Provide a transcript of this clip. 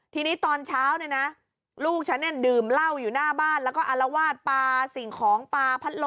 ทีนี้ตอนเช้านี่นะ